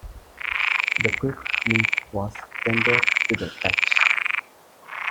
The cooked meat was tender to the touch.